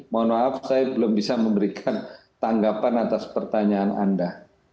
mohon maaf saya belum bisa memberikan tanggapan atas pertanyaan anda